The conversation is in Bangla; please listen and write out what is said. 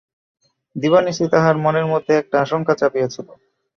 দবিানিশি তাহার মনের মধ্যে একটা আশঙ্কা চাপিয়াছিল।